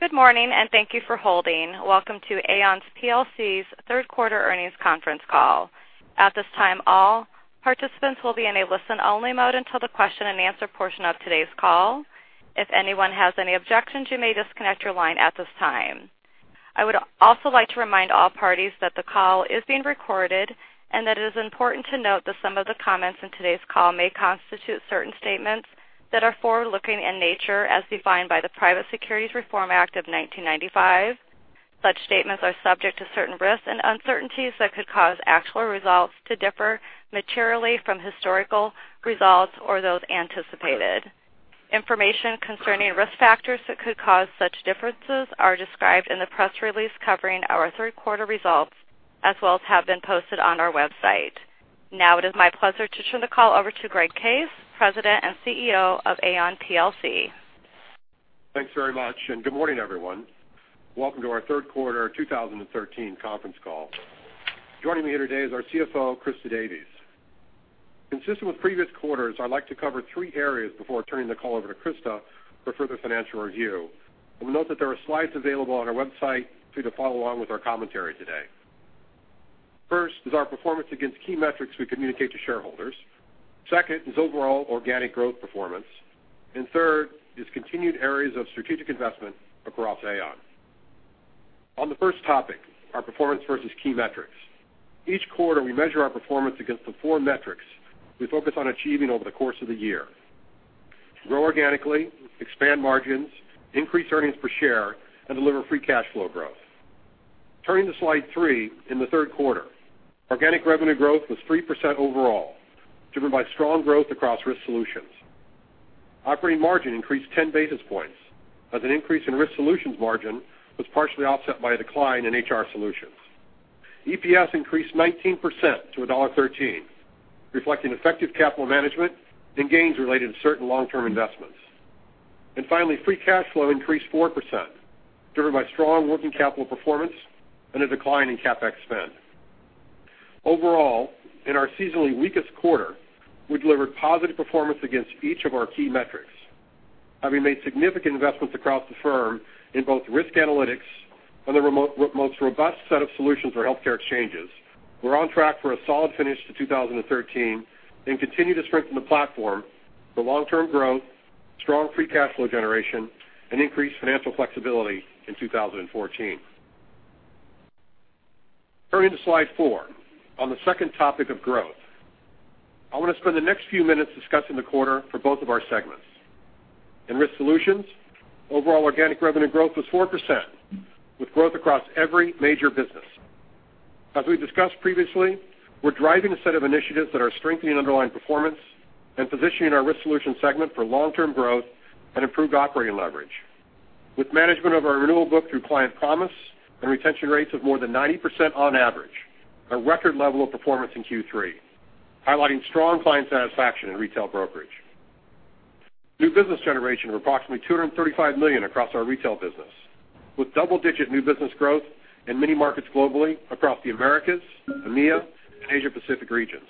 Good morning, and thank you for holding. Welcome to Aon plc's third quarter earnings conference call. At this time, all participants will be in a listen-only mode until the question and answer portion of today's call. If anyone has any objections, you may disconnect your line at this time. I would also like to remind all parties that the call is being recorded and that it is important to note that some of the comments in today's call may constitute certain statements that are forward-looking in nature as defined by the Private Securities Litigation Reform Act of 1995. Such statements are subject to certain risks and uncertainties that could cause actual results to differ materially from historical results or those anticipated. Information concerning risk factors that could cause such differences are described in the press release covering our third quarter results, as well as have been posted on our website. Now it is my pleasure to turn the call over to Greg Case, President and Chief Executive Officer of Aon plc. Thanks very much, and good morning, everyone. Welcome to our third quarter 2013 conference call. Joining me here today is our CFO, Christa Davies. Consistent with previous quarters, I'd like to cover three areas before turning the call over to Christa for further financial review. We note that there are slides available on our website for you to follow along with our commentary today. First is our performance against key metrics we communicate to shareholders. Second is overall organic growth performance. And third is continued areas of strategic investment across Aon. On the first topic, our performance versus key metrics. Each quarter, we measure our performance against the four metrics we focus on achieving over the course of the year: grow organically, expand margins, increase earnings per share, and deliver free cash flow growth. Turning to slide three, in the third quarter, organic revenue growth was 3% overall, driven by strong growth across Risk Solutions. Operating margin increased 10 basis points as an increase in Risk Solutions margin was partially offset by a decline in HR Solutions. EPS increased 19% to $1.13, reflecting effective capital management and gains related to certain long-term investments. And finally, free cash flow increased 4%, driven by strong working capital performance and a decline in CapEx spend. Overall, in our seasonally weakest quarter, we delivered positive performance against each of our key metrics. Having made significant investments across the firm in both risk analytics and the most robust set of solutions for healthcare exchanges, we're on track for a solid finish to 2013 and continue to strengthen the platform for long-term growth, strong free cash flow generation, and increased financial flexibility in 2014. Turning to slide four, on the second topic of growth, I want to spend the next few minutes discussing the quarter for both of our segments. In Risk Solutions, overall organic revenue growth was 4%, with growth across every major business. As we discussed previously, we're driving a set of initiatives that are strengthening underlying performance and positioning our Risk Solutions segment for long-term growth and improved operating leverage. With management of our renewal book through Client Promise and retention rates of more than 90% on average, a record level of performance in Q3, highlighting strong client satisfaction in retail brokerage. New business generation of approximately $235 million across our retail business, with double-digit new business growth in many markets globally across the Americas, EMEA, and Asia Pacific regions.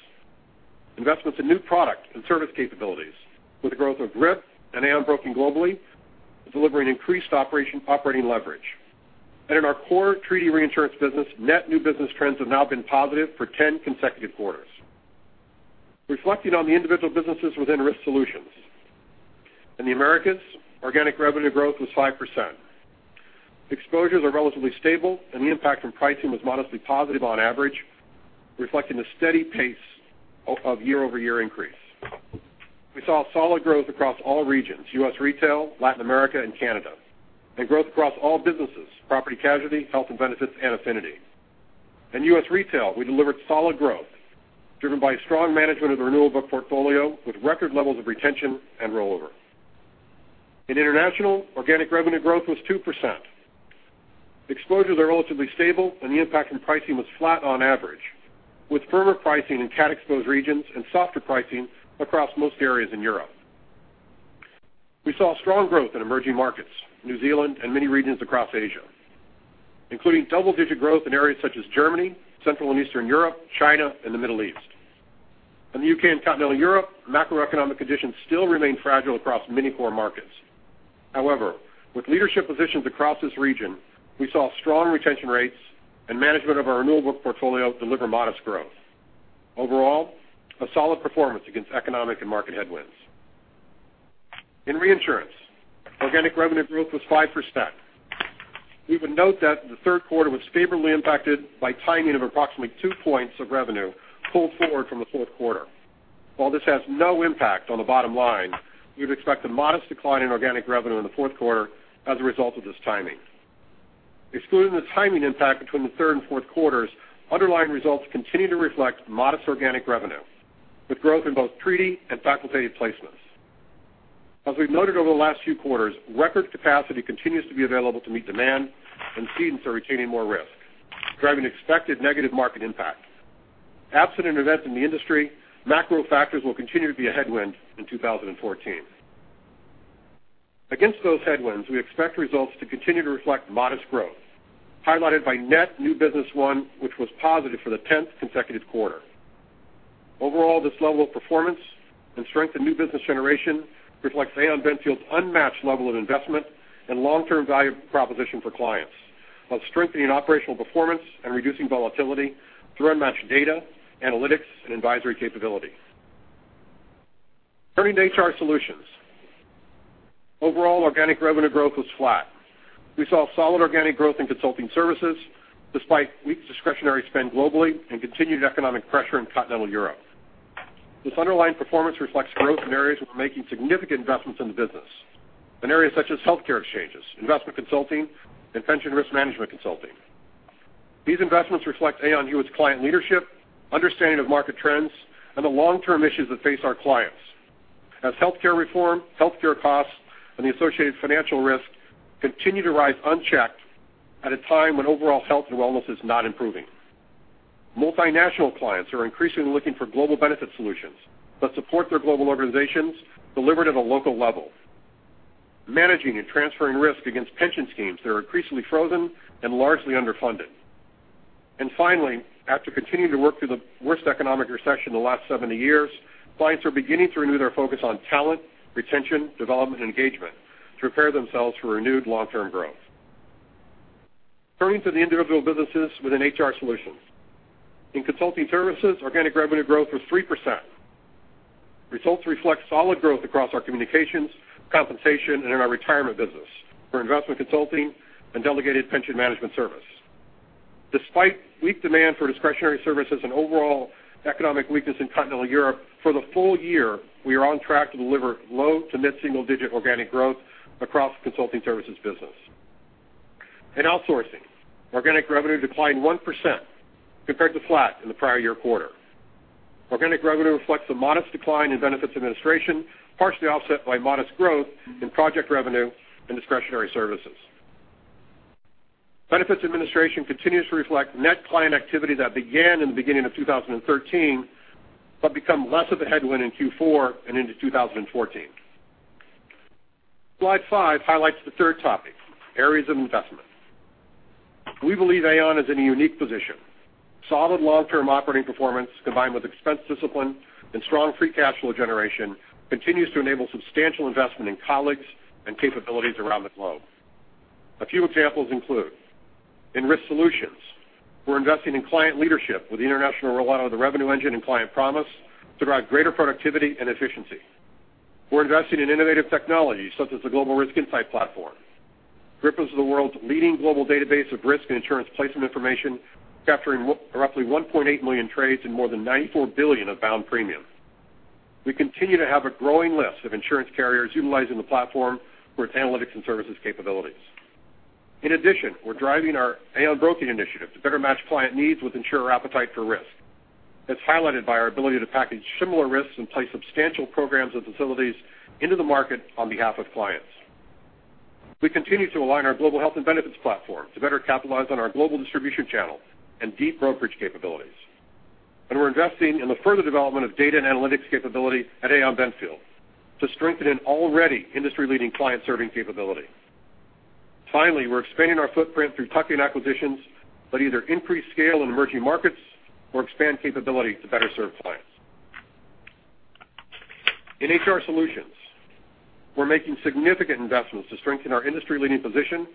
Investments in new product and service capabilities with the growth of Risk and Aon Broking globally are delivering increased operating leverage. In our core treaty reinsurance business, net new business trends have now been positive for 10 consecutive quarters. Reflecting on the individual businesses within Risk Solutions. In the Americas, organic revenue growth was 5%. Exposures are relatively stable and the impact from pricing was modestly positive on average, reflecting a steady pace of year-over-year increase. We saw solid growth across all regions, U.S. retail, Latin America, and Canada, and growth across all businesses, property casualty, health and benefits, and affinity. In U.S. retail, we delivered solid growth driven by strong management of the renewal book portfolio with record levels of retention and rollover. In international, organic revenue growth was 2%. Exposures are relatively stable and the impact on pricing was flat on average, with firmer pricing in cat-exposed regions and softer pricing across most areas in Europe. We saw strong growth in emerging markets, New Zealand and many regions across Asia, including double-digit growth in areas such as Germany, Central and Eastern Europe, China, and the Middle East. In the U.K. and Continental Europe, macroeconomic conditions still remain fragile across many core markets. However, with leadership positions across this region, we saw strong retention rates and management of our renewal book portfolio deliver modest growth. Overall, a solid performance against economic and market headwinds. In reinsurance, organic revenue growth was 5%. We would note that the third quarter was favorably impacted by timing of approximately 2 points of revenue pulled forward from the fourth quarter. While this has no impact on the bottom line, we would expect a modest decline in organic revenue in the fourth quarter as a result of this timing. Excluding the timing impact between the third and fourth quarters, underlying results continue to reflect modest organic revenue, with growth in both treaty and facultative placements. As we've noted over the last few quarters, record capacity continues to be available to meet demand and cedents are retaining more risk, driving expected negative market impact. Absent an event in the industry, macro factors will continue to be a headwind in 2014. Against those headwinds, we expect results to continue to reflect modest growth, highlighted by net new business won, which was positive for the 10th consecutive quarter. Overall, this level of performance and strength in new business generation reflects Aon Benfield's unmatched level of investment and long-term value proposition for clients, while strengthening operational performance and reducing volatility through unmatched data, analytics, and advisory capability. Turning to HR Solutions. Overall organic revenue growth was flat. We saw solid organic growth in consulting services despite weak discretionary spend globally and continued economic pressure in Continental Europe. This underlying performance reflects growth in areas where we're making significant investments in the business, in areas such as healthcare exchanges, investment consulting, and pension risk management consulting. These investments reflect Aon Hewitt's client leadership, understanding of market trends, and the long-term issues that face our clients as healthcare reform, healthcare costs, and the associated financial risks continue to rise unchecked at a time when overall health and wellness is not improving. Multinational clients are increasingly looking for global benefit solutions that support their global organizations delivered at a local level, managing and transferring risk against pension schemes that are increasingly frozen and largely underfunded. Finally, after continuing to work through the worst economic recession in the last 70 years, clients are beginning to renew their focus on talent, retention, development, and engagement to prepare themselves for renewed long-term growth. Turning to the individual businesses within HR Solutions. In consulting services, organic revenue growth was 3%. Results reflect solid growth across our communications, compensation, and in our retirement business for investment consulting and delegated pension management service. Despite weak demand for discretionary services and overall economic weakness in continental Europe, for the full year, we are on track to deliver low to mid-single digit organic growth across the consulting services business. In outsourcing, organic revenue declined 1% compared to flat in the prior year quarter. Organic revenue reflects a modest decline in benefits administration, partially offset by modest growth in project revenue and discretionary services. Benefits administration continues to reflect net client activity that began in the beginning of 2013, but become less of a headwind in Q4 and into 2014. Slide five highlights the third topic, areas of investment. We believe Aon is in a unique position. Solid long-term operating performance, combined with expense discipline and strong free cash flow generation, continues to enable substantial investment in colleagues and capabilities around the globe. A few examples include in Risk Solutions, we're investing in client leadership with the international rollout of the Revenue Engine and Client Promise to drive greater productivity and efficiency. We're investing in innovative technology such as the Global Risk Insight Platform. GRIP is the world's leading global database of risk and insurance placement information, capturing roughly $1.8 million trades and more than $94 billion of bound premium. We continue to have a growing list of insurance carriers utilizing the platform for its analytics and services capabilities. In addition, we're driving our Aon Broking Initiative to better match client needs with insurer appetite for risk. As highlighted by our ability to package similar risks and place substantial programs and facilities into the market on behalf of clients. We continue to align our global health and benefits platform to better capitalize on our global distribution channels and deep brokerage capabilities. We're investing in the further development of data and analytics capability at Aon Benfield to strengthen an already industry-leading client-serving capability. Finally, we're expanding our footprint through tuck-in acquisitions that either increase scale in emerging markets or expand capability to better serve clients. In HR Solutions, we're making significant investments to strengthen our industry-leading position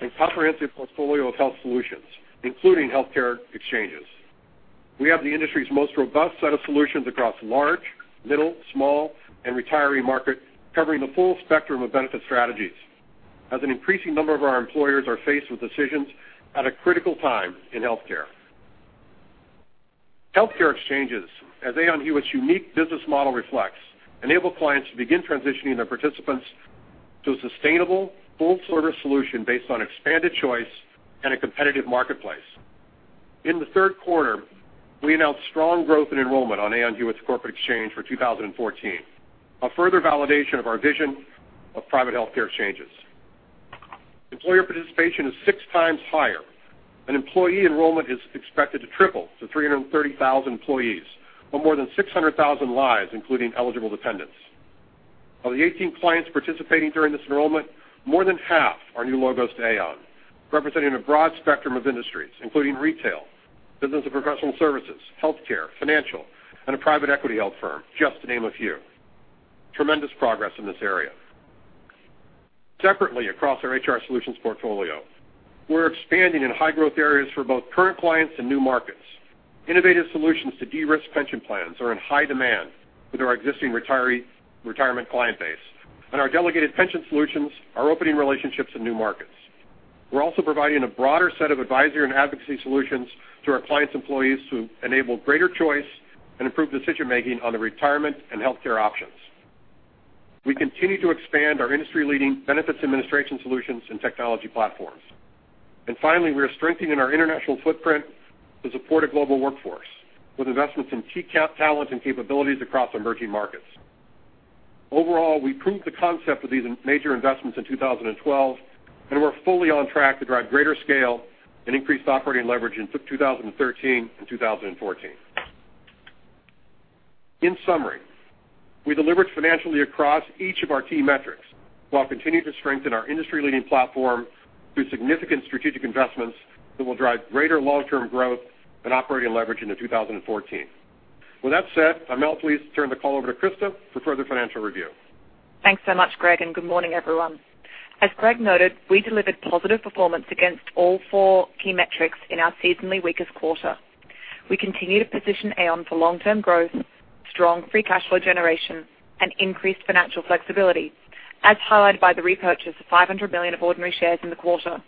and comprehensive portfolio of health solutions, including healthcare exchanges. We have the industry's most robust set of solutions across large, middle, small, and retiree market, covering the full spectrum of benefit strategies as an increasing number of our employers are faced with decisions at a critical time in healthcare. Healthcare exchanges, as Aon Hewitt's unique business model reflects, enable clients to begin transitioning their participants to a sustainable, full-service solution based on expanded choice and a competitive marketplace. In the third quarter, we announced strong growth and enrollment on Aon Hewitt's corporate exchange for 2014, a further validation of our vision of private healthcare exchanges. Employer participation is six times higher, and employee enrollment is expected to triple to 330,000 employees or more than 600,000 lives, including eligible dependents. Of the 18 clients participating during this enrollment, more than half are new logos to Aon, representing a broad spectrum of industries, including retail, business and professional services, healthcare, financial, and a private equity-held firm, just to name a few. Tremendous progress in this area. Separately, across our HR Solutions portfolio, we're expanding in high-growth areas for both current clients and new markets. Innovative solutions to de-risk pension plans are in high demand with our existing retiree retirement client base, and our delegated pension solutions are opening relationships in new markets. We're also providing a broader set of advisory and advocacy solutions to our clients' employees to enable greater choice and improve decision-making on their retirement and healthcare options. We continue to expand our industry-leading benefits administration solutions and technology platforms. Finally, we are strengthening our international footprint to support a global workforce with investments in key talent and capabilities across emerging markets. Overall, we proved the concept of these major investments in 2012, and we're fully on track to drive greater scale and increased operating leverage in 2013 and 2014. In summary, we delivered financially across each of our key metrics while continuing to strengthen our industry-leading platform through significant strategic investments that will drive greater long-term growth and operating leverage into 2014. With that said, I'll now please turn the call over to Christa for further financial review. Thanks so much, Greg, and good morning, everyone. As Greg noted, we delivered positive performance against all four key metrics in our seasonally weakest quarter. We continue to position Aon for long-term growth, strong free cash flow generation, and increased financial flexibility, as highlighted by the repurchase of $500 million of ordinary shares in the quarter.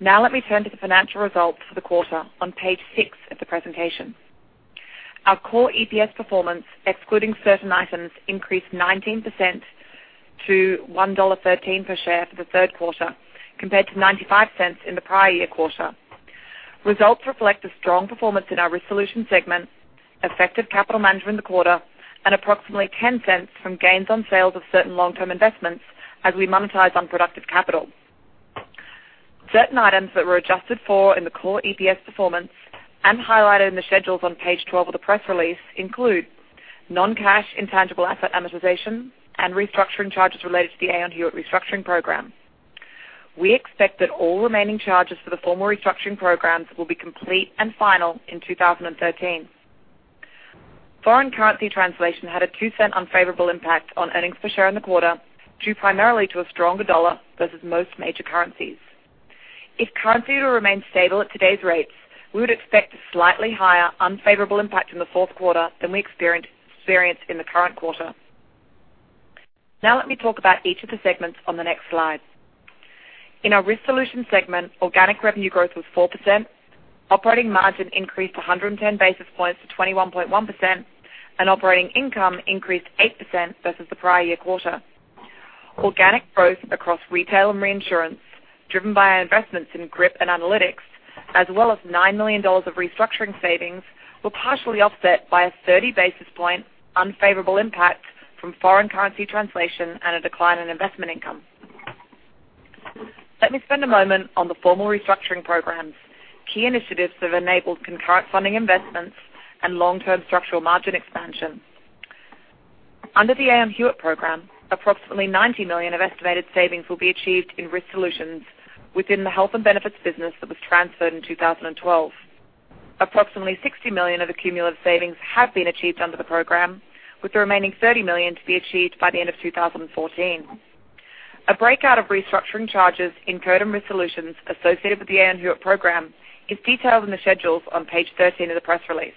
Now let me turn to the financial results for the quarter on page six of the presentation. Our core EPS performance, excluding certain items, increased 19% to $1.13 per share for the third quarter, compared to $0.95 in the prior year quarter. Results reflect a strong performance in our Risk Solutions segment, effective capital management in the quarter, and approximately $0.10 from gains on sales of certain long-term investments as we monetize unproductive capital. Certain items that were adjusted for in the core EPS performance and highlighted in the schedules on page 12 of the press release include non-cash intangible asset amortization and restructuring charges related to the Aon Hewitt restructuring program. We expect that all remaining charges for the formal restructuring programs will be complete and final in 2013. Foreign currency translation had a $0.02 unfavorable impact on earnings per share in the quarter, due primarily to a stronger dollar versus most major currencies. If currency were to remain stable at today's rates, we would expect a slightly higher unfavorable impact in the fourth quarter than we experienced in the current quarter. Let me talk about each of the segments on the next slide. In our Risk Solutions segment, organic revenue growth was 4%, operating margin increased 110 basis points to 21.1%, and operating income increased 8% versus the prior year quarter. Organic growth across retail and reinsurance, driven by our investments in GRIP and analytics, as well as $9 million of restructuring savings, were partially offset by a 30 basis point unfavorable impact from foreign currency translation and a decline in investment income. Let me spend a moment on the formal restructuring programs, key initiatives that have enabled concurrent funding investments and long-term structural margin expansion. Under the Aon Hewitt program, approximately $90 million of estimated savings will be achieved in Risk Solutions within the health and benefits business that was transferred in 2012. Approximately $60 million of accumulative savings have been achieved under the program, with the remaining $30 million to be achieved by the end of 2014. A breakout of restructuring charges incurred in Risk Solutions associated with the Aon Hewitt program is detailed in the schedules on page 13 of the press release.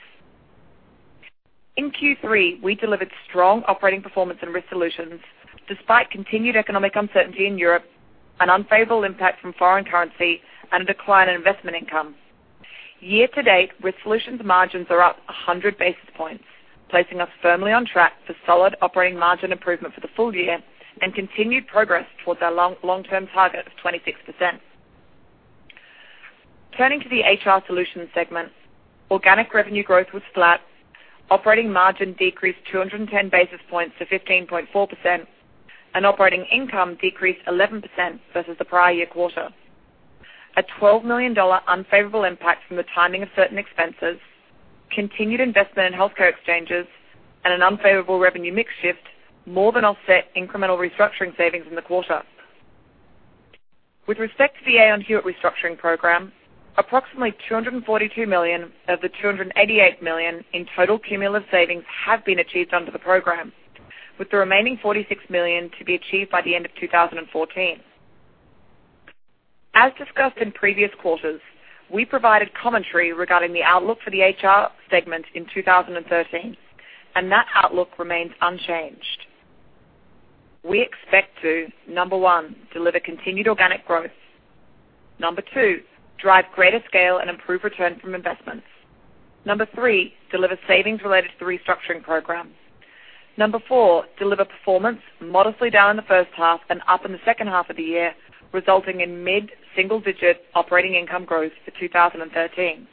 In Q3, we delivered strong operating performance in Risk Solutions despite continued economic uncertainty in Europe, an unfavorable impact from foreign currency, and a decline in investment income. Year-to-date, Risk Solutions margins are up 100 basis points, placing us firmly on track for solid operating margin improvement for the full year and continued progress towards our long-term target of 26%. Turning to the HR Solutions segment, organic revenue growth was flat. Operating margin decreased 210 basis points to 15.4%, and operating income decreased 11% versus the prior year quarter. A $12 million unfavorable impact from the timing of certain expenses, continued investment in healthcare exchanges, and an unfavorable revenue mix shift more than offset incremental restructuring savings in the quarter. With respect to the Aon Hewitt restructuring program, approximately $242 million of the $288 million in total cumulative savings have been achieved under the program, with the remaining $46 million to be achieved by the end of 2014. As discussed in previous quarters, we provided commentary regarding the outlook for the HR segment in 2013, and that outlook remains unchanged. We expect to, number one, deliver continued organic growth. Number two, drive greater scale and improve return from investments. Number three, deliver savings related to the restructuring program. Number four, deliver performance modestly down in the first half and up in the second half of the year, resulting in mid-single-digit operating income growth for 2013.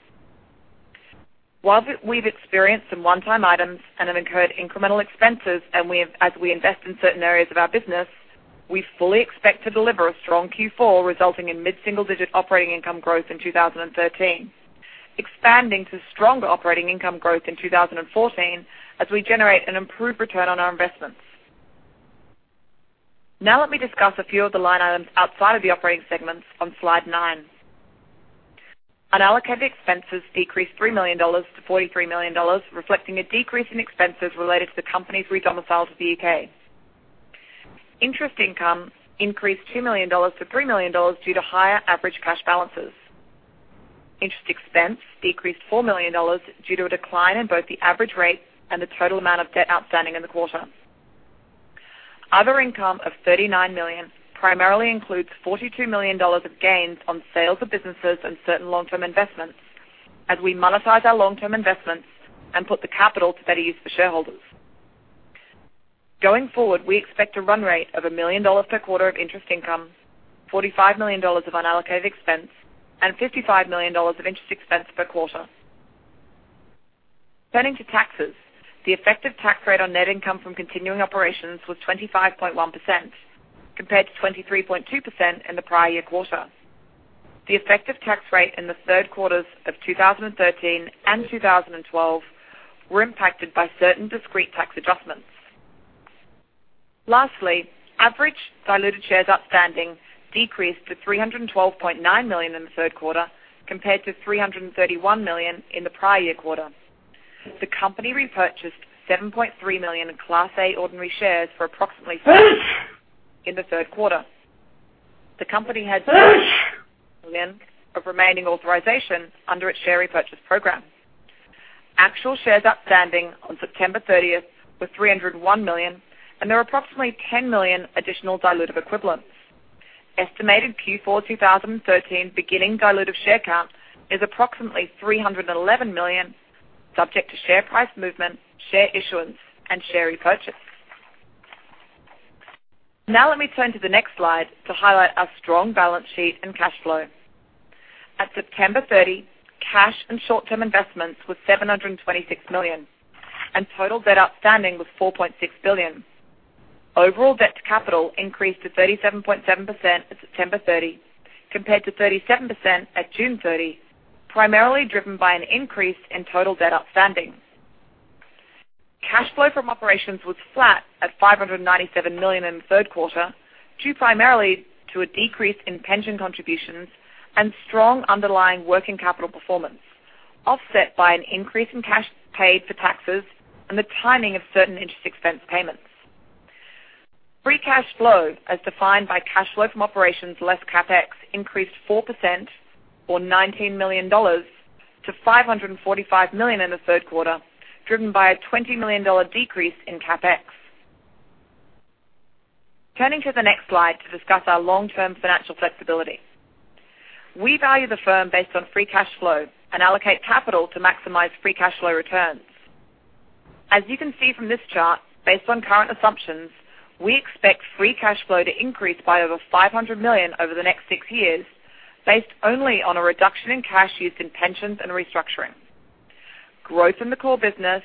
While we've experienced some one-time items and have incurred incremental expenses as we invest in certain areas of our business, we fully expect to deliver a strong Q4, resulting in mid-single-digit operating income growth in 2013, expanding to stronger operating income growth in 2014 as we generate an improved return on our investments. Let me discuss a few of the line items outside of the operating segments on slide nine. Unallocated expenses decreased $3 million to $43 million, reflecting a decrease in expenses related to the company's redomicile to the U.K. Interest income increased $2 million to $3 million due to higher average cash balances. Interest expense decreased $4 million due to a decline in both the average rate and the total amount of debt outstanding in the quarter. Other income of $39 million primarily includes $42 million of gains on sales of businesses and certain long-term investments as we monetize our long-term investments and put the capital to better use for shareholders. Going forward, we expect a run rate of a million dollars per quarter of interest income, $45 million of unallocated expense, and $55 million of interest expense per quarter. Turning to taxes, the effective tax rate on net income from continuing operations was 25.1% compared to 23.2% in the prior year quarter. The effective tax rate in the third quarters of 2013 and 2012 were impacted by certain discrete tax adjustments. Lastly, average diluted shares outstanding decreased to 312.9 million in the third quarter compared to 331 million in the prior year quarter. The company repurchased 7.3 million in Class A Ordinary Shares for approximately in the third quarter. The company has $1.1 billion million of remaining authorization under its share repurchase program. Actual shares outstanding on September 30 were 301 million, and there are approximately 10 million additional dilutive equivalents. Estimated Q4 2013 beginning dilutive share count is approximately 311 million, subject to share price movement, share issuance, and share repurchase. Let me turn to the next slide to highlight our strong balance sheet and cash flow. At September 30, cash and short-term investments were $726 million, and total debt outstanding was $4.6 billion. Overall, debt to capital increased to 37.7% at September 30 compared to 37% at June 30, primarily driven by an increase in total debt outstanding. Cash flow from operations was flat at $597 million in the third quarter, due primarily to a decrease in pension contributions and strong underlying working capital performance, offset by an increase in cash paid for taxes and the timing of certain interest expense payments. Free cash flow, as defined by cash flow from operations less CapEx, increased 4% or $19 million to $545 million in the third quarter, driven by a $20 million decrease in CapEx. Turning to the next slide to discuss our long-term financial flexibility. We value the firm based on free cash flow and allocate capital to maximize free cash flow returns. As you can see from this chart, based on current assumptions, we expect free cash flow to increase by over $500 million over the next six years, based only on a reduction in cash used in pensions and restructuring. Growth in the core business,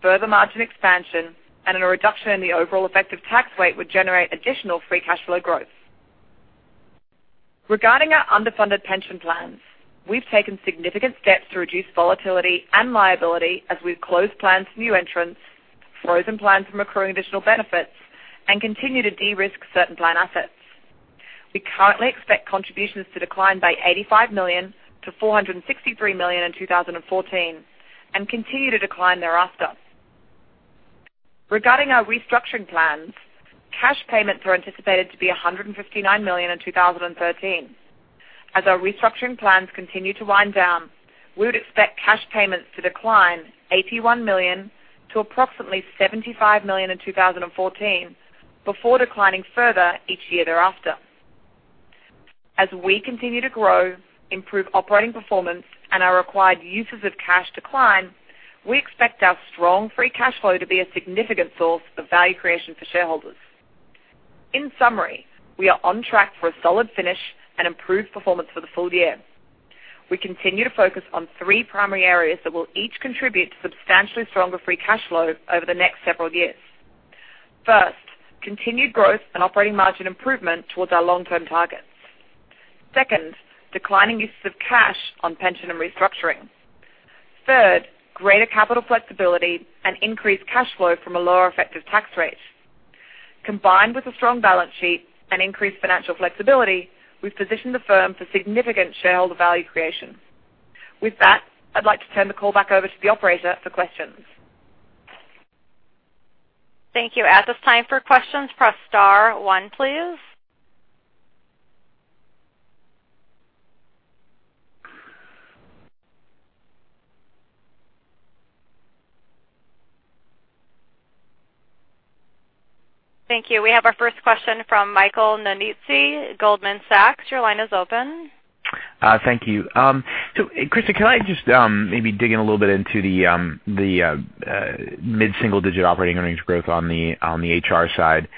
further margin expansion, and a reduction in the overall effective tax rate would generate additional free cash flow growth. Regarding our underfunded pension plans, we've taken significant steps to reduce volatility and liability as we've closed plans to new entrants, frozen plans from accruing additional benefits, and continue to de-risk certain plan assets. We currently expect contributions to decline by $85 million to $463 million in 2014 and continue to decline thereafter. Regarding our restructuring plans, cash payments are anticipated to be $159 million in 2013. As our restructuring plans continue to wind down, we would expect cash payments to decline $81 million to approximately $75 million in 2014 before declining further each year thereafter. We continue to grow, improve operating performance, and our required uses of cash decline, we expect our strong free cash flow to be a significant source of value creation for shareholders. In summary, we are on track for a solid finish and improved performance for the full year. We continue to focus on three primary areas that will each contribute to substantially stronger free cash flow over the next several years. First, continued growth and operating margin improvement towards our long-term targets. Second, declining uses of cash on pension and restructuring. Third, greater capital flexibility and increased cash flow from a lower effective tax rate. Combined with a strong balance sheet and increased financial flexibility, we've positioned the firm for significant shareholder value creation. With that, I'd like to turn the call back over to the operator for questions. Thank you. At this time for questions, press star one, please. Thank you. We have our first question from Michael Nannizzi, Goldman Sachs. Your line is open. Thank you. Christa, can I just maybe dig in a little bit into the mid-single-digit operating earnings growth on the HR side?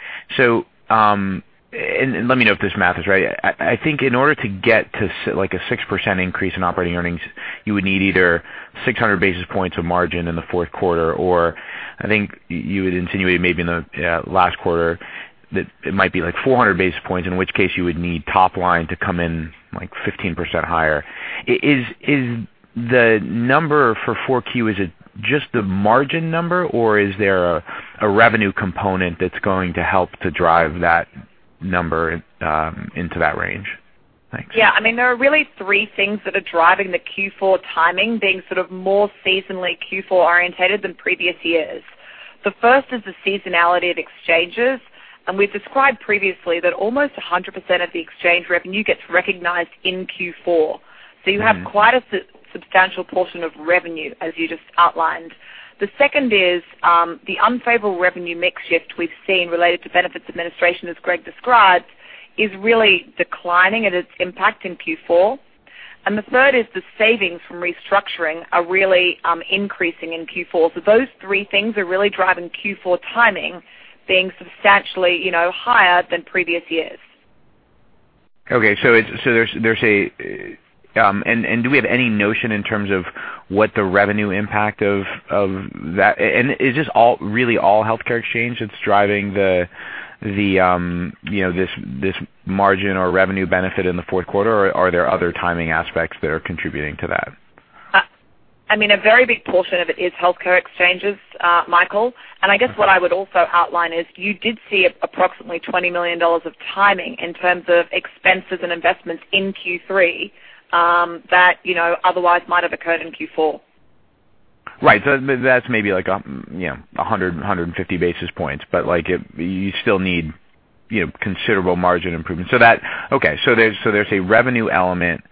Let me know if this math is right. I think in order to get to a 6% increase in operating earnings, you would need either 600 basis points of margin in the fourth quarter, or I think you had insinuated maybe in the last quarter that it might be like 400 basis points, in which case you would need top line to come in 15% higher. Is the number for 4Q, is it just the margin number, or is there a revenue component that's going to help to drive that number into that range? Thanks. Yeah. There are really three things that are driving the Q4 timing being more seasonally Q4 oriented than previous years. The first is the seasonality of exchanges, and we've described previously that almost 100% of the exchange revenue gets recognized in Q4. You have quite a substantial portion of revenue, as you just outlined. The second is the unfavorable revenue mix shift we've seen related to benefits administration, as Greg described, is really declining at its impact in Q4. The third is the savings from restructuring are really increasing in Q4. Those three things are really driving Q4 timing being substantially higher than previous years. Okay. There's a And do we have any notion in terms of what the revenue impact of that? Is this really all healthcare exchange that's driving this margin or revenue benefit in the fourth quarter, or are there other timing aspects that are contributing to that? A very big portion of it is healthcare exchanges, Michael. I guess what I would also outline is you did see approximately $20 million of timing in terms of expenses and investments in Q3, that otherwise might have occurred in Q4. Right. That's maybe like, 100, 150 basis points, but you still need considerable margin improvement. Okay, there's a revenue element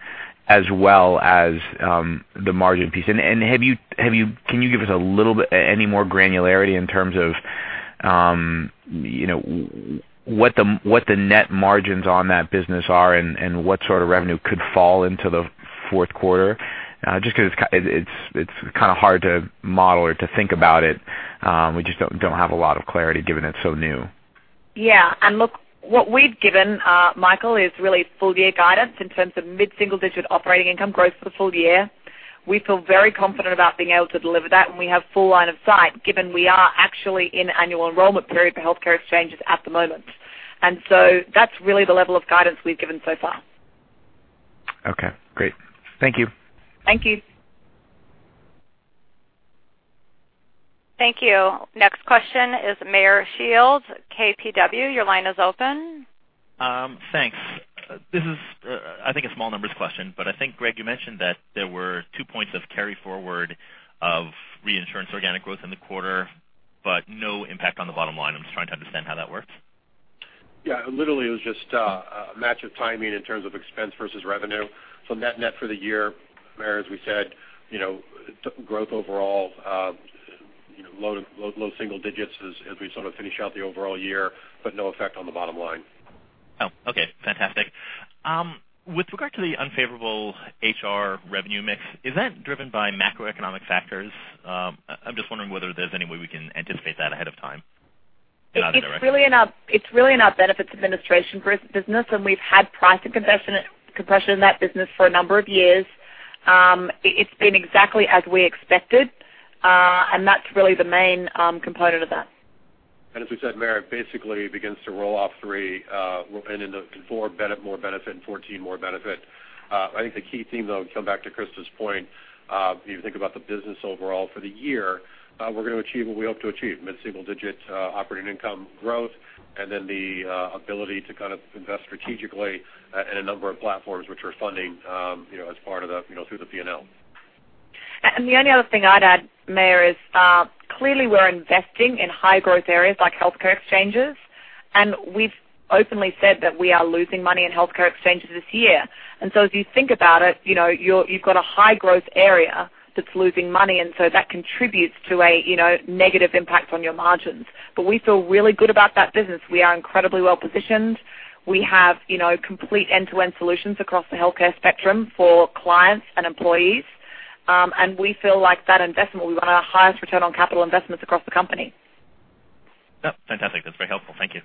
as well as the margin piece. Can you give us any more granularity in terms of what the net margins on that business are and what sort of revenue could fall into the fourth quarter? Just because it's hard to model or to think about it. We just don't have a lot of clarity given it's so new. Yeah. Look, what we've given, Michael, is really full year guidance in terms of mid-single digit operating income growth for the full year. We feel very confident about being able to deliver that, and we have full line of sight given we are actually in annual enrollment period for healthcare exchanges at the moment. That's really the level of guidance we've given so far. Okay, great. Thank you. Thank you. Thank you. Next question is Meyer Shields, KBW, your line is open. Thanks. This is, I think, a small numbers question, but I think, Greg, you mentioned that there were 2 points of carry forward of reinsurance organic growth in the quarter, but no impact on the bottom line. I'm just trying to understand how that works. Yeah. Literally, it was just a match of timing in terms of expense versus revenue. Net for the year, Meyer, as we said, growth overall, low single digits as we sort of finish out the overall year, but no effect on the bottom line. Oh, okay. Fantastic. With regard to the unfavorable HR revenue mix, is that driven by macroeconomic factors? I'm just wondering whether there's any way we can anticipate that ahead of time in either direction. It's really in our benefits administration business, we've had price and compression in that business for a number of years. It's been exactly as we expected. That's really the main component of that. As we said, Meyer, basically begins to roll off three and in the four more benefit and 2014 more benefit. I think the key theme, though, to come back to Christa's point, if you think about the business overall for the year, we're going to achieve what we hope to achieve, mid-single-digit operating income growth, the ability to invest strategically in a number of platforms which we're funding through the P&L. The only other thing I'd add, Meyer, is clearly we're investing in high-growth areas like healthcare exchanges, we've openly said that we are losing money in healthcare exchanges this year. As you think about it, you've got a high-growth area that's losing money, that contributes to a negative impact on your margins. We feel really good about that business. We are incredibly well-positioned. We have complete end-to-end solutions across the healthcare spectrum for clients and employees. We feel like that investment will be one of our highest return on capital investments across the company. Yep. Fantastic. That's very helpful. Thank you.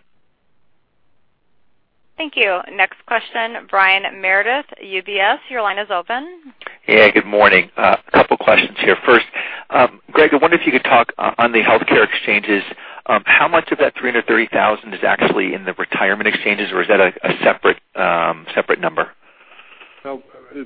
Thank you. Next question, Brian Meredith, UBS, your line is open. Hey, good morning. A couple questions here. First, Greg, I wonder if you could talk on the healthcare exchanges, how much of that 330,000 is actually in the retirement exchanges, or is that a separate number?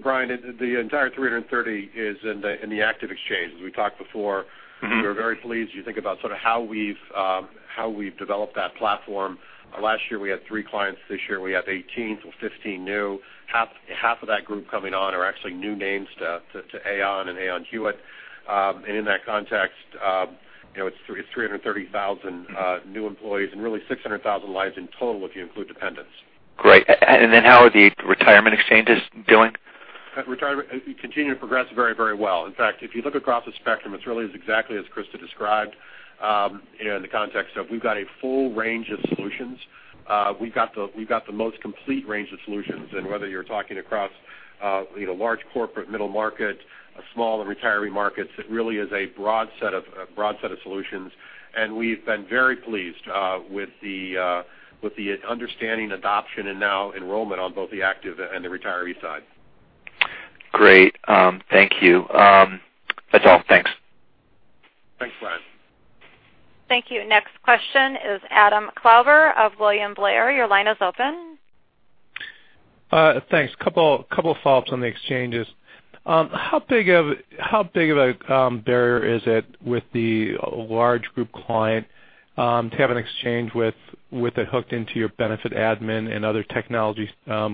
Brian, the entire 330 is in the active exchanges. We talked before. We were very pleased. You think about how we've developed that platform. Last year, we had three clients. This year, we have 18, 15 new. Half of that group coming on are actually new names to Aon and Aon Hewitt. In that context, it's 330,000 new employees and really 600,000 lives in total, if you include dependents. Great. How are the retirement exchanges doing? Retirement continuing to progress very well. In fact, if you look across the spectrum, it's really exactly as Christa described, in the context of we've got a full range of solutions. We've got the most complete range of solutions, whether you're talking across large corporate, middle market, small and retiree markets, it really is a broad set of solutions, we've been very pleased with the understanding, adoption, and now enrollment on both the active and the retiree side. Great. Thank you. That's all. Thanks. Thanks, Brian. Thank you. Next question is Adam Klauber of William Blair. Your line is open. Thanks. Couple follow-ups on the exchanges. How big of a barrier is it with the large group client to have an exchange with it hooked into your benefit admin and other technology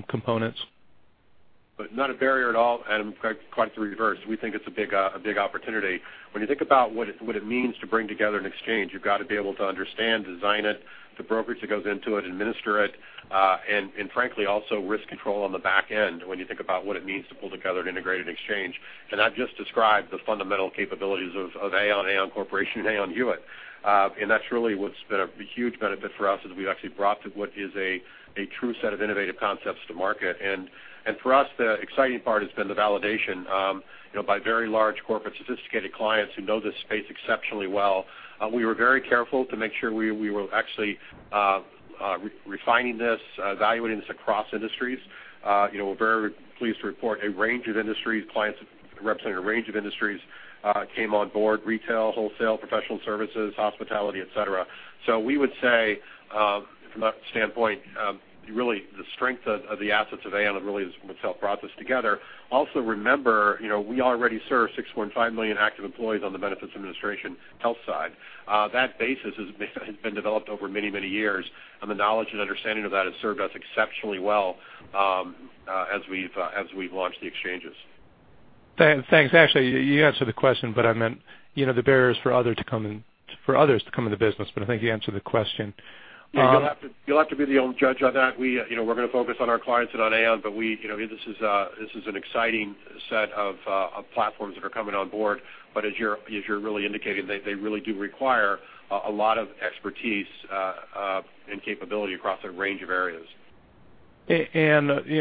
components? Not a barrier at all, Adam. Quite the reverse. We think it's a big opportunity. When you think about what it means to bring together an exchange, you've got to be able to understand, design it, the brokerage that goes into it, administer it, and frankly, also risk control on the back end when you think about what it means to pull together an integrated exchange. I've just described the fundamental capabilities of Aon Corporation, and Aon Hewitt. That's really what's been a huge benefit for us as we actually brought what is a true set of innovative concepts to market. For us, the exciting part has been the validation by very large corporate sophisticated clients who know this space exceptionally well. We were very careful to make sure we were actually refining this, evaluating this across industries. We're very pleased to report a range of industries, clients that represent a range of industries came on board, retail, wholesale, professional services, hospitality, et cetera. We would say, from that standpoint, really the strength of the assets of Aon really is what's helped brought this together. Also, remember, we already serve 6.5 million active employees on the benefits administration health side. That basis has been developed over many years, and the knowledge and understanding of that has served us exceptionally well as we've launched the exchanges. Thanks. Actually, you answered the question, but I meant the barriers for others to come in the business. I think you answered the question. You'll have to be the own judge of that. We're going to focus on our clients and on Aon, but this is an exciting set of platforms that are coming on board. As you're really indicating, they really do require a lot of expertise and capability across a range of areas.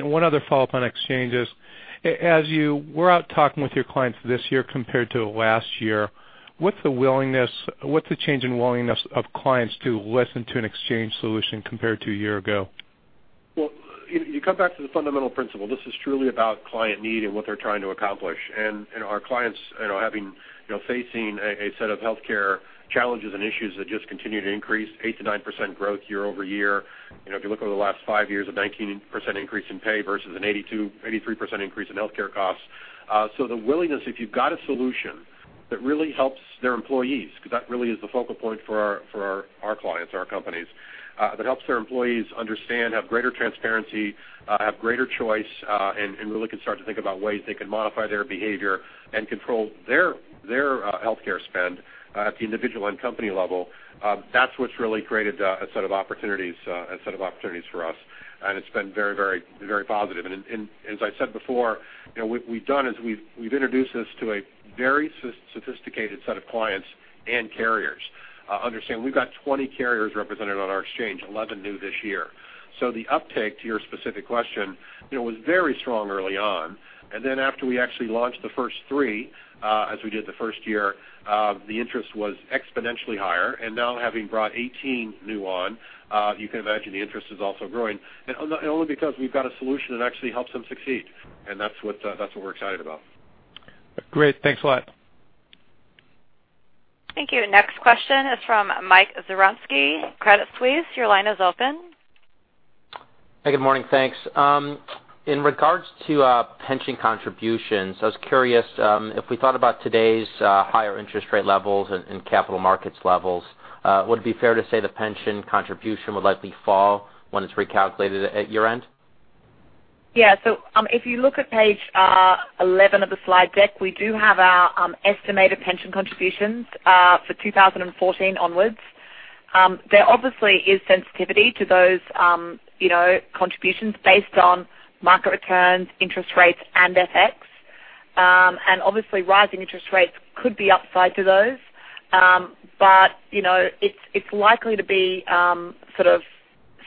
One other follow-up on exchanges. As you were out talking with your clients this year compared to last year, what's the change in willingness of clients to listen to an exchange solution compared to a year ago? Well, you come back to the fundamental principle. This is truly about client need and what they're trying to accomplish. Our clients, having facing a set of healthcare challenges and issues that just continue to increase, 8%-9% growth year-over-year. If you look over the last 5 years of 19% increase in pay versus an 83% increase in healthcare costs. The willingness, if you've got a solution that really helps their employees, because that really is the focal point for our clients, our companies, that helps their employees understand, have greater transparency, have greater choice, and really can start to think about ways they can modify their behavior and control their healthcare spend at the individual and company level. That's what's really created a set of opportunities for us, and it's been very positive. As I said before, what we've done is we've introduced this to a very sophisticated set of clients and carriers. Understand, we've got 20 carriers represented on our exchange, 11 new this year. The uptake, to your specific question, was very strong early on, then after we actually launched the first three, as we did the first year, the interest was exponentially higher. Now having brought 18 new on, you can imagine the interest is also growing, only because we've got a solution that actually helps them succeed, and that's what we're excited about. Great. Thanks a lot. Thank you. Next question is from Michael Zaremski, Credit Suisse. Your line is open. Good morning. Thanks. In regards to pension contributions, I was curious, if we thought about today's higher interest rate levels and capital markets levels, would it be fair to say the pension contribution would likely fall when it's recalculated at year-end? Yeah. If you look at page 11 of the slide deck, we do have our estimated pension contributions for 2014 onwards. There obviously is sensitivity to those contributions based on market returns, interest rates, and FX. Obviously, rising interest rates could be upside to those. It's likely to be sort of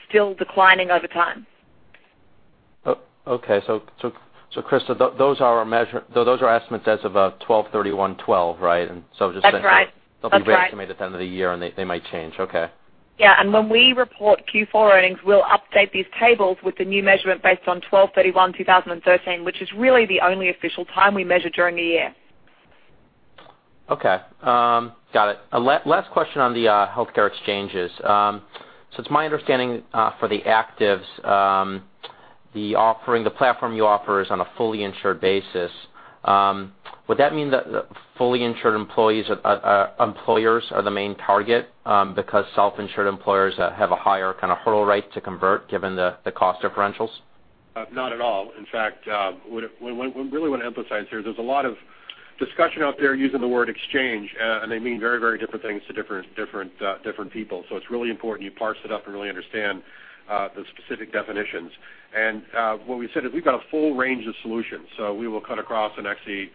still declining over time. Okay. Christa, those are estimates as of 12/31/2012, right? That's right They'll be re-estimated at the end of the year, and they might change. Okay. When we report Q4 earnings, we'll update these tables with the new measurement based on 12/31/2013, which is really the only official time we measure during the year. Okay. Got it. Last question on the healthcare exchanges. It's my understanding, for the actives, the platform you offer is on a fully insured basis. Would that mean that fully insured employers are the main target because self-insured employers have a higher kind of hurdle rate to convert given the cost differentials? Not at all. In fact, what we really want to emphasize here, there's a lot of discussion out there using the word exchange, and they mean very different things to different people. It's really important you parse it up and really understand the specific definitions. What we said is we've got a full range of solutions. We will cut across and actually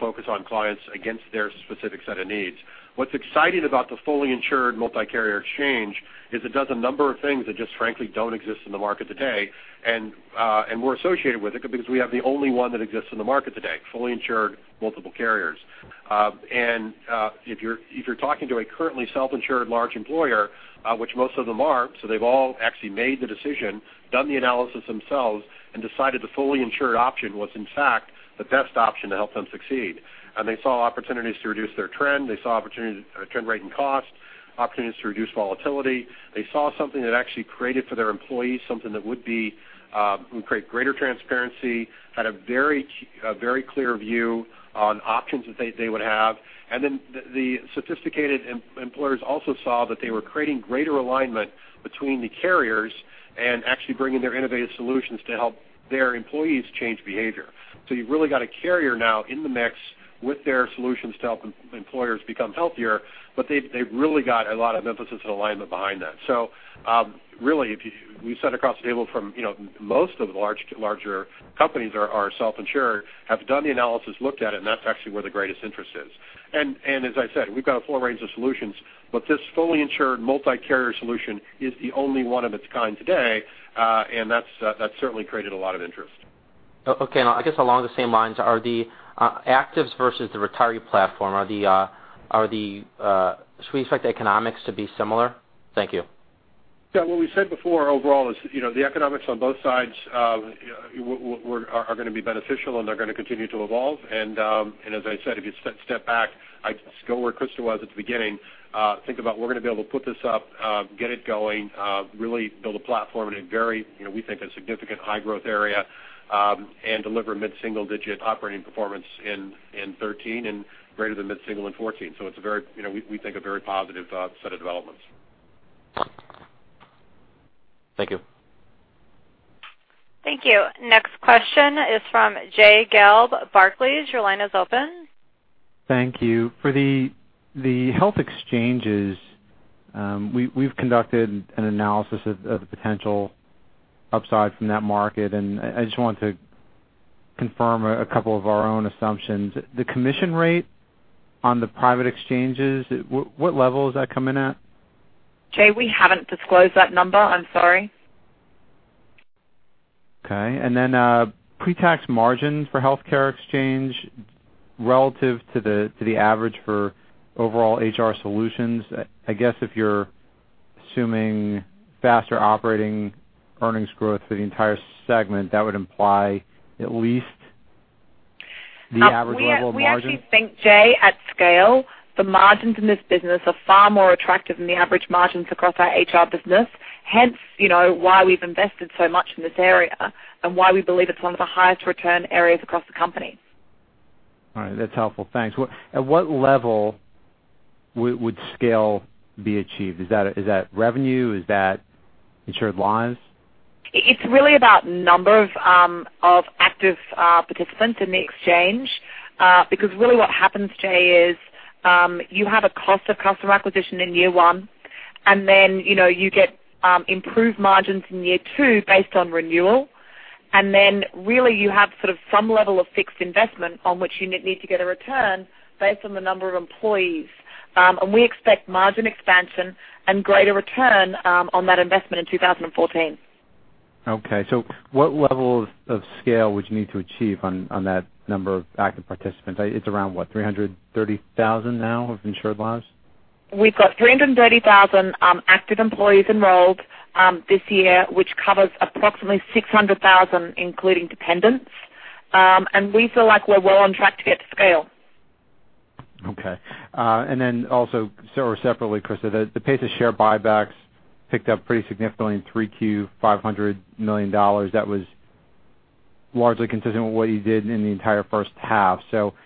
focus on clients against their specific set of needs. What's exciting about the fully insured multi-carrier exchange is it does a number of things that just frankly don't exist in the market today. We're associated with it because we have the only one that exists in the market today, fully insured, multiple carriers. If you're talking to a currently self-insured large employer, which most of them are, they've all actually made the decision, done the analysis themselves, and decided the fully insured option was in fact the best option to help them succeed. They saw opportunities to reduce their trend. They saw opportunity, trend rate, and cost, opportunities to reduce volatility. They saw something that actually created for their employees, something that would create greater transparency, had a very clear view on options that they would have. Then the sophisticated employers also saw that they were creating greater alignment between the carriers and actually bringing their innovative solutions to help their employees change behavior. You've really got a carrier now in the mix with their solutions to help employers become healthier, but they've really got a lot of emphasis and alignment behind that. Really, we sat across the table from most of the larger companies are self-insured, have done the analysis, looked at it, and that's actually where the greatest interest is. As I said, we've got a full range of solutions, but this fully insured multi-carrier solution is the only one of its kind today, and that's certainly created a lot of interest. Okay. I guess along the same lines, are the actives versus the retiree platform, should we expect the economics to be similar? Thank you. Yeah. What we said before overall is the economics on both sides are going to be beneficial, and they're going to continue to evolve. As I said, if you step back, go where Christa was at the beginning, think about we're going to be able to put this up, get it going, really build a platform in a very, we think, a significant high growth area and deliver mid-single digit operating performance in 2013 and greater than mid-single in 2014. It's, we think, a very positive set of developments. Thank you. Thank you. Next question is from Jay Gelb, Barclays. Your line is open. Thank you. For the health exchanges, we've conducted an analysis of the potential upside from that market, I just wanted to confirm a couple of our own assumptions. The commission rate on the private exchanges, what level does that come in at? Jay, we haven't disclosed that number, I'm sorry. Okay. Then pre-tax margins for healthcare exchange relative to the average for overall HR Solutions. I guess if you're assuming faster operating earnings growth for the entire segment, that would imply at least the average level of margin. We actually think, Jay, at scale, the margins in this business are far more attractive than the average margins across our HR business. Hence, why we've invested so much in this area and why we believe it's one of the highest return areas across the company. All right. That's helpful. Thanks. At what level would scale be achieved? Is that revenue? Is that insured lives? It's really about number of active participants in the exchange. Really what happens, Jay, is you have a cost of customer acquisition in year one, then you get improved margins in year two based on renewal. Really you have sort of some level of fixed investment on which you need to get a return based on the number of employees. We expect margin expansion and greater return on that investment in 2014. What level of scale would you need to achieve on that number of active participants? It's around, what, 330,000 now of insured lives? We've got 330,000 active employees enrolled this year, which covers approximately 600,000, including dependents. We feel like we're well on track to get to scale. Okay. Separately, Christa, the pace of share buybacks picked up pretty significantly in 3Q, $500 million. That was largely consistent with what you did in the entire first half.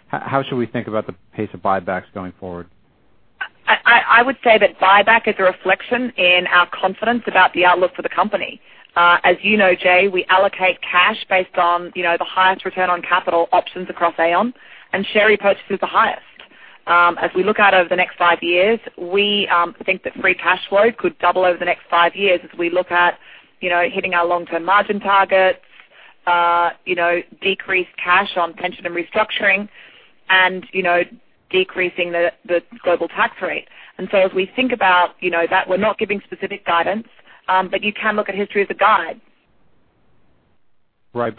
How should we think about the pace of buybacks going forward? I would say that buyback is a reflection in our confidence about the outlook for the company. As you know, Jay, we allocate cash based on the highest return on capital options across Aon, and share repurchase is the highest. As we look out over the next five years, we think that free cash flow could double over the next five years as we look at hitting our long-term margin targets, decreased cash on pension and restructuring, and decreasing the global tax rate. As we think about that, we're not giving specific guidance, but you can look at history as a guide. Right.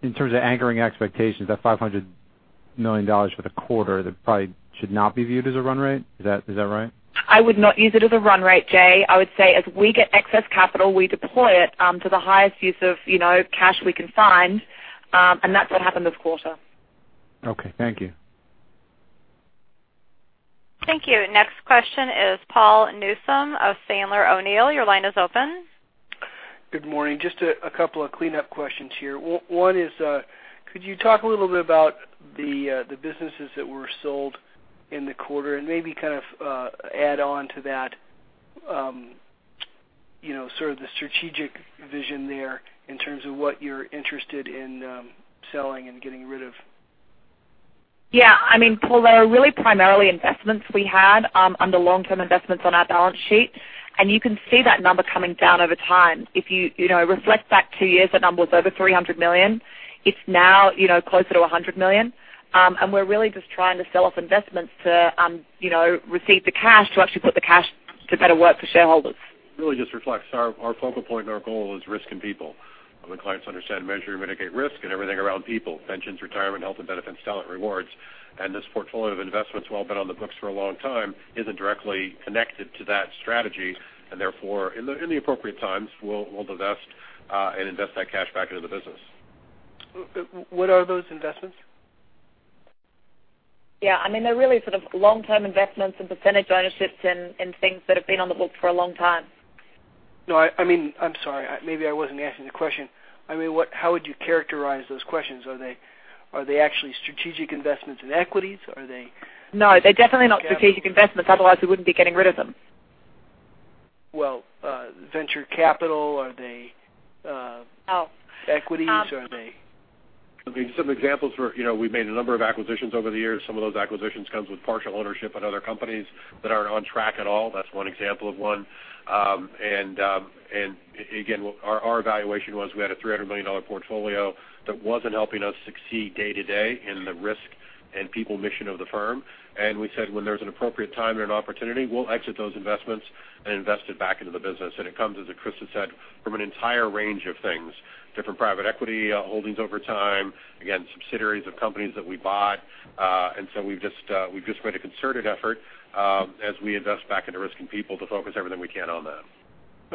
In terms of anchoring expectations, that $500 million for the quarter, that probably should not be viewed as a run rate. Is that right? I would not use it as a run rate, Jay. I would say as we get excess capital, we deploy it to the highest use of cash we can find, and that's what happened this quarter. Okay. Thank you. Thank you. Next question is Paul Newsome of Sandler O'Neill. Your line is open. Good morning. Just a couple of cleanup questions here. One is, could you talk a little bit about the businesses that were sold in the quarter and maybe kind of add on to that, sort of the strategic vision there in terms of what you're interested in selling and getting rid of? Yeah. Paul, they were really primarily investments we had under long-term investments on our balance sheet, you can see that number coming down over time. If you reflect back two years, that number was over $300 million. It's now closer to $100 million. We're really just trying to sell off investments to receive the cash, to actually put the cash to better work for shareholders. Really just reflects our focal point and our goal is risk and people. When clients understand measure, mitigate risk and everything around people, pensions, retirement, health and benefits, talent rewards. This portfolio of investments, while been on the books for a long time, isn't directly connected to that strategy, and therefore, in the appropriate times, we'll divest and invest that cash back into the business. What are those investments? Yeah. They're really sort of long-term investments and percentage ownerships in things that have been on the books for a long time. No, I'm sorry. Maybe I wasn't asking the question. How would you characterize those investments? Are they actually strategic investments in equities? No, they're definitely not strategic investments, otherwise we wouldn't be getting rid of them. Well, venture capital. Are they- Oh equities? Are they Some examples were, we've made a number of acquisitions over the years. Some of those acquisitions comes with partial ownership in other companies that aren't on track at all. That's one example of one. Again, our evaluation was we had a $300 million portfolio that wasn't helping us succeed day-to-day in the risk and people mission of the firm. We said, when there's an appropriate time and an opportunity, we'll exit those investments and invest it back into the business. It comes, as Christa said, from an entire range of things, different private equity holdings over time, again, subsidiaries of companies that we bought. We've just made a concerted effort as we invest back into risk and people to focus everything we can on that.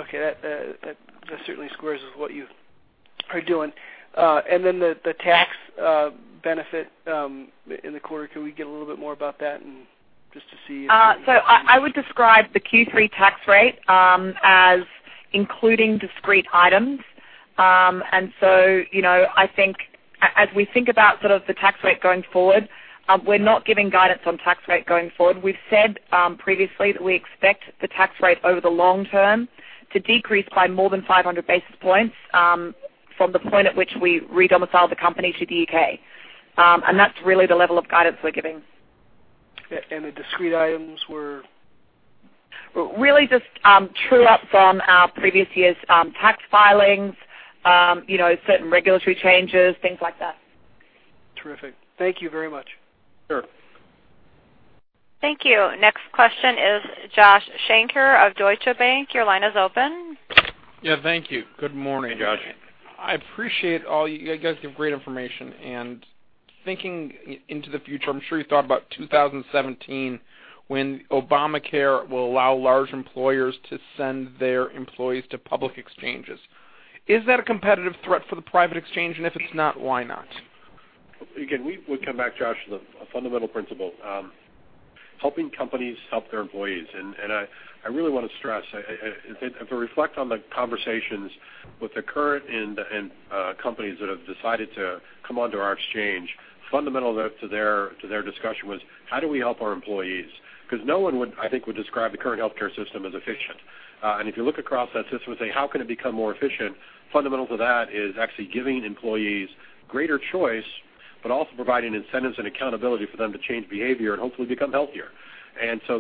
Okay. That certainly squares with what you are doing. The tax benefit in the quarter, can we get a little bit more about that? I would describe the Q3 tax rate as including discrete items. As we think about the tax rate going forward, we're not giving guidance on tax rate going forward. We've said previously that we expect the tax rate over the long term to decrease by more than 500 basis points from the point at which we re-domiciled the company to the U.K. That's really the level of guidance we're giving. The discrete items were? Really just true-up from our previous year's tax filings, certain regulatory changes, things like that. Terrific. Thank you very much. Sure. Thank you. Next question is Joshua Shanker of Deutsche Bank. Your line is open. Yeah, thank you. Good morning. Hey, Josh. I appreciate all you guys give great information. Thinking into the future, I'm sure you thought about 2017, when Obamacare will allow large employers to send their employees to public exchanges. Is that a competitive threat for the private exchange? If it's not, why not? Again, we would come back, Josh, to the fundamental principle, helping companies help their employees. I really want to stress, if I reflect on the conversations with the current and companies that have decided to come onto our exchange, fundamental to their discussion was how do we help our employees? Because no one, I think, would describe the current healthcare system as efficient. If you look across that system and say, how can it become more efficient, fundamental to that is actually giving employees greater choice, but also providing incentives and accountability for them to change behavior and hopefully become healthier.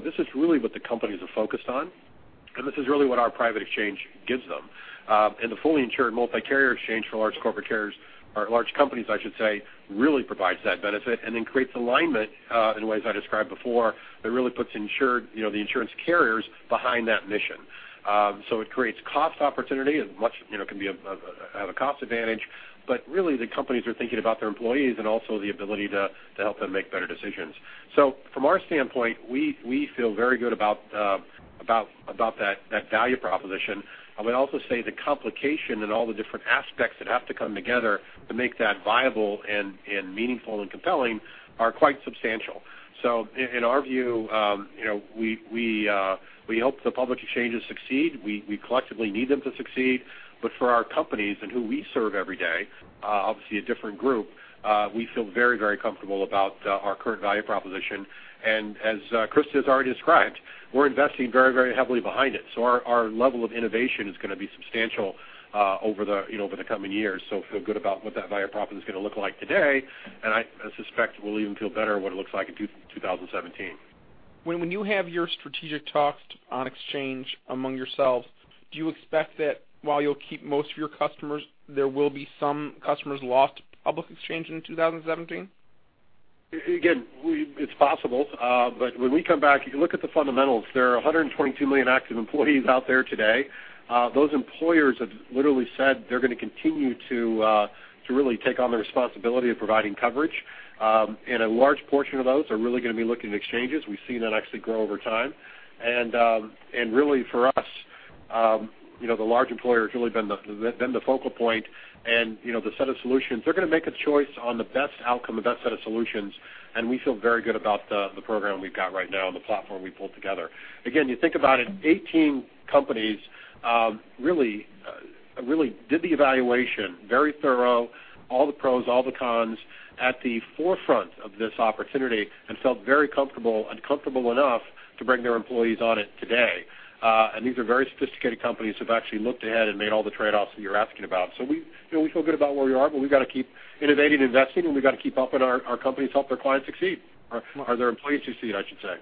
This is really what the companies are focused on, and this is really what our private exchange gives them. The fully insured multi-carrier exchange for large companies really provides that benefit and then creates alignment in ways I described before that really puts the insurance carriers behind that mission. It creates cost opportunity as much can have a cost advantage. Really, the companies are thinking about their employees and also the ability to help them make better decisions. From our standpoint, we feel very good about that value proposition. I would also say the complication and all the different aspects that have to come together to make that viable and meaningful and compelling are quite substantial. In our view, we hope the public exchanges succeed. We collectively need them to succeed. For our companies and who we serve every day, obviously a different group, we feel very comfortable about our current value proposition. As Christa has already described, we're investing very heavily behind it. Our level of innovation is going to be substantial over the coming years. Feel good about what that value proposition is going to look like today, and I suspect we'll even feel better what it looks like in 2017. When you have your strategic talks on exchange among yourselves, do you expect that while you'll keep most of your customers, there will be some customers lost to public exchange in 2017? It's possible. When we come back, if you look at the fundamentals, there are 122 million active employees out there today. Those employers have literally said they're going to continue to really take on the responsibility of providing coverage. A large portion of those are really going to be looking at exchanges. We've seen that actually grow over time. Really for us, the large employer has really been the focal point and the set of solutions. They're going to make a choice on the best outcome, the best set of solutions, and we feel very good about the program we've got right now and the platform we pulled together. You think about it, 18 companies really did the evaluation, very thorough, all the pros, all the cons at the forefront of this opportunity and felt very comfortable and comfortable enough to bring their employees on it today. These are very sophisticated companies who've actually looked ahead and made all the trade-offs that you're asking about. We feel good about where we are, but we've got to keep innovating and investing, and we've got to keep up with our companies to help their clients succeed or their employees succeed, I should say.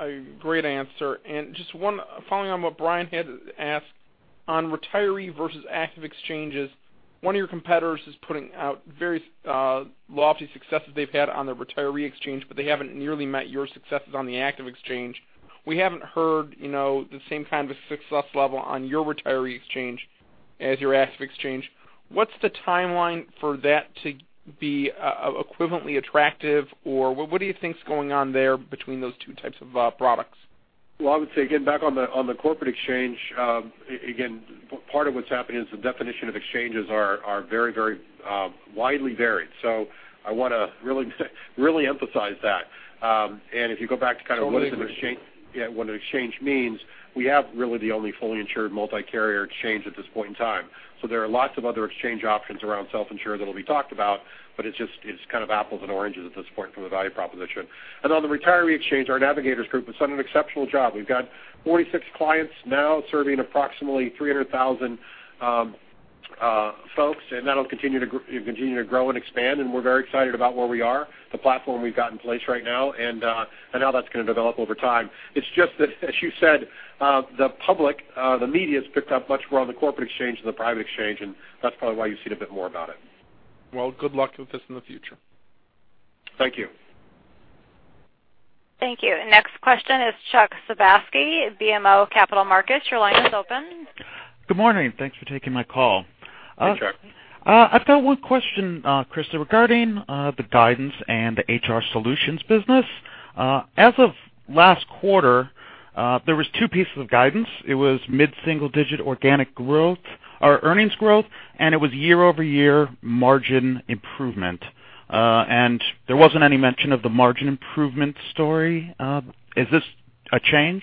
A great answer. Just one following on what Brian had asked on retiree versus active exchanges. One of your competitors is putting out various lofty successes they've had on their retiree exchange, but they haven't nearly met your successes on the active exchange. We haven't heard the same kind of success level on your retiree exchange as your active exchange. What's the timeline for that to be equivalently attractive, or what do you think is going on there between those two types of products? Well, I would say, again, back on the corporate exchange, again, part of what's happening is the definition of exchanges are very widely varied. I want to really emphasize that. If you go back to kind of what an exchange means, we have really the only fully insured multi-carrier exchange at this point in time. There are lots of other exchange options around self-insure that'll be talked about, but it's kind of apples and oranges at this point from a value proposition. On the retiree exchange, our navigators group has done an exceptional job. We've got 46 clients now serving approximately 300,000 folks, and that'll continue to grow and expand, and we're very excited about where we are, the platform we've got in place right now, and how that's going to develop over time. It's just that, as you said, the public, the media's picked up much more on the corporate exchange than the private exchange, and that's probably why you've seen a bit more about it. Well, good luck with this in the future. Thank you. Thank you. Next question is Charles Sebaski, BMO Capital Markets. Your line is open. Good morning. Thanks for taking my call. Hey, Chuck. I've got one question, Christa, regarding the guidance and the HR Solutions business. As of last quarter, there was two pieces of guidance. It was mid-single-digit organic growth or earnings growth, and it was year-over-year margin improvement. There wasn't any mention of the margin improvement story. Is this a change?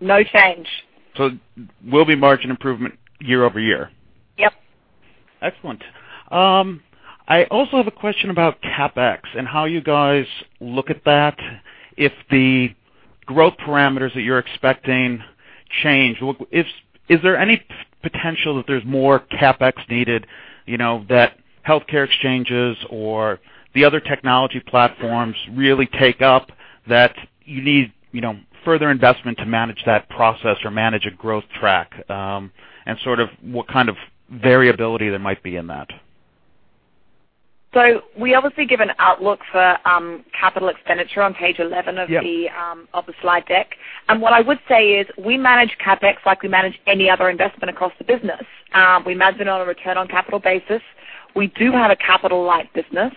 No change. Will be margin improvement year-over-year? Yep. Excellent. I also have a question about CapEx and how you guys look at that if the growth parameters that you're expecting change. Is there any potential that there's more CapEx needed, that healthcare exchanges or the other technology platforms really take up that you need further investment to manage that process or manage a growth track? What kind of variability there might be in that? We obviously give an outlook for capital expenditure on page 11 of the slide deck. What I would say is we manage CapEx like we manage any other investment across the business. We manage it on a return on capital basis. We do have a capital-light business,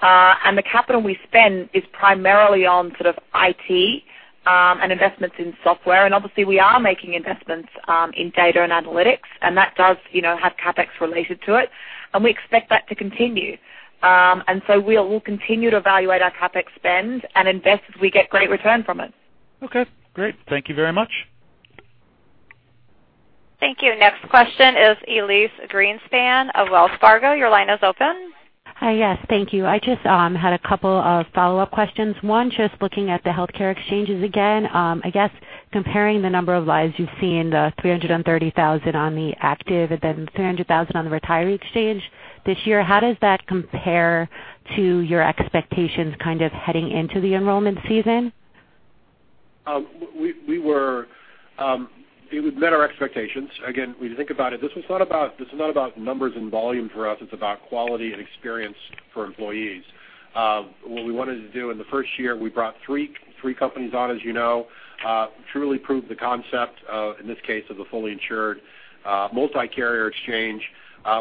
and the capital we spend is primarily on sort of IT, and investments in software. Obviously we are making investments in data and analytics, and that does have CapEx related to it, and we expect that to continue. We'll continue to evaluate our CapEx spend and invest as we get great return from it. Okay, great. Thank you very much. Thank you. Next question is Elyse Greenspan of Wells Fargo. Your line is open. Hi. Yes. Thank you. I just had a couple of follow-up questions. One, just looking at the healthcare exchanges again, I guess comparing the number of lives you've seen, the 330,000 on the active and then 300,000 on the retiree exchange this year, how does that compare to your expectations kind of heading into the enrollment season? It would meet our expectations. Again, when you think about it, this was not about numbers and volume for us, it's about quality and experience for employees. What we wanted to do in the first year, we brought three companies on, as you know, truly proved the concept, in this case, of the fully insured, multi-carrier exchange,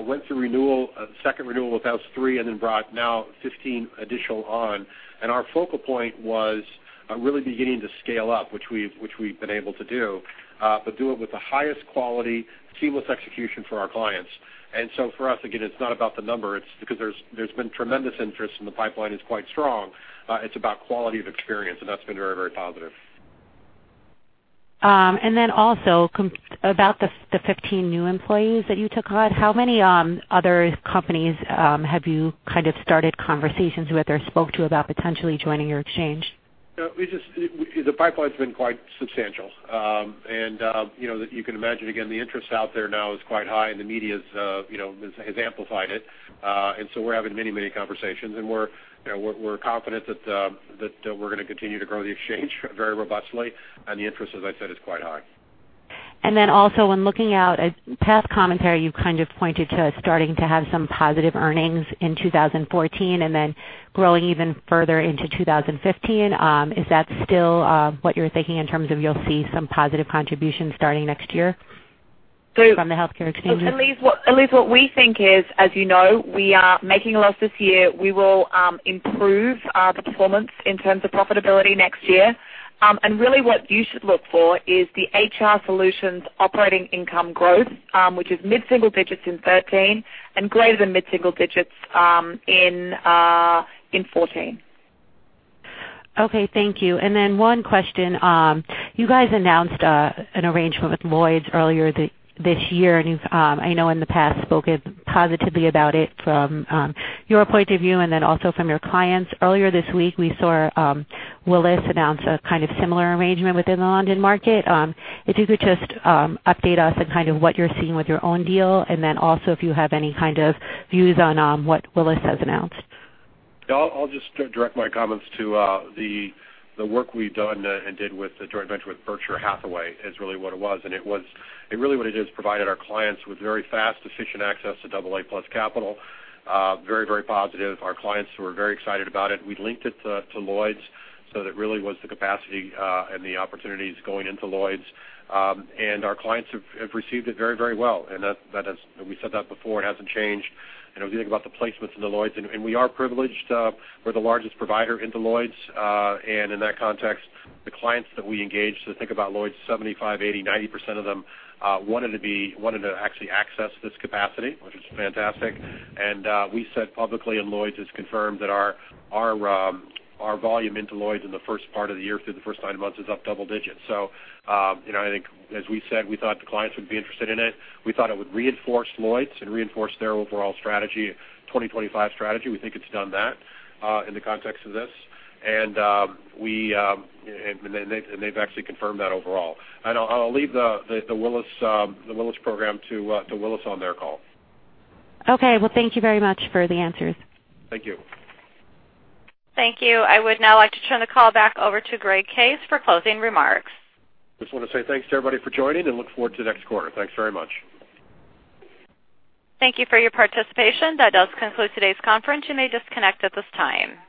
went through second renewal with those three, then brought now 15 additional on. Our focal point was really beginning to scale up, which we've been able to do, but do it with the highest quality, seamless execution for our clients. For us, again, it's not about the number. Because there's been tremendous interest and the pipeline is quite strong. It's about quality of experience, and that's been very positive. About the 15 new employees that you took on, how many other companies have you kind of started conversations with or spoke to about potentially joining your exchange? The pipeline's been quite substantial. You can imagine, again, the interest out there now is quite high and the media has amplified it. So we're having many conversations, and we're confident that we're going to continue to grow the exchange very robustly, and the interest, as I said, is quite high. When looking out at past commentary, you kind of pointed to starting to have some positive earnings in 2014 and then growing even further into 2015. Is that still what you're thinking in terms of you'll see some positive contributions starting next year from the healthcare exchanges? Elyse, what we think is, as you know, we are making a loss this year. We will improve our performance in terms of profitability next year. Really what you should look for is the HR Solutions operating income growth, which is mid-single digits in 2013 and greater than mid-single digits in 2014. Okay, thank you. One question. You guys announced an arrangement with Lloyd's earlier this year, and you've, I know in the past, spoken positively about it from your point of view and then also from your clients. Earlier this week, we saw Willis announce a kind of similar arrangement within the London market. If you could just update us on kind of what you're seeing with your own deal, also if you have any kind of views on what Willis has announced. I'll just direct my comments to the work we've done and did with the joint venture with Berkshire Hathaway is really what it was. Really what it is, provided our clients with very fast, efficient access to double A plus capital. Very positive. Our clients were very excited about it. We linked it to Lloyd's, so that really was the capacity, and the opportunities going into Lloyd's. Our clients have received it very well. We said that before, it hasn't changed. If you think about the placements into Lloyd's, we are privileged. We're the largest provider into Lloyd's. In that context, the clients that we engage to think about Lloyd's, 75%, 80%, 90% of them wanted to actually access this capacity, which is fantastic. We said publicly, and Lloyd's has confirmed that our volume into Lloyd's in the first part of the year through the first nine months is up double digits. I think as we said, we thought the clients would be interested in it. We thought it would reinforce Lloyd's and reinforce their overall strategy, Vision 2025 strategy. We think it's done that, in the context of this. They've actually confirmed that overall. I'll leave the Willis program to Willis on their call. Okay. Well, thank you very much for the answers. Thank you. Thank you. I would now like to turn the call back over to Greg Case for closing remarks. Just want to say thanks to everybody for joining, look forward to next quarter. Thanks very much. Thank you for your participation. That does conclude today's conference. You may disconnect at this time.